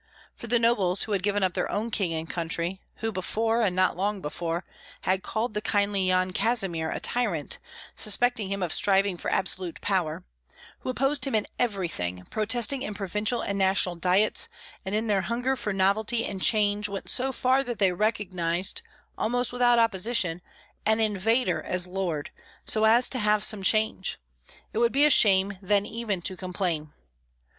For the nobles who had given up their own king and country; who before, and not long before, had called the kindly Yan Kazimir a tyrant, suspecting him of striving for absolute power; who opposed him in everything, protesting in provincial and national diets, and in their hunger for novelty and change went so far that they recognized, almost without opposition, an invader as lord, so as to have some change, it would be a shame then even to complain.